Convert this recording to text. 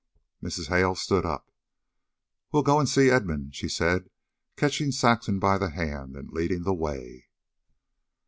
Mrs. Hale stood up. "We'll go and see Edmund," she said, catching Saxon by the hand and leading the way.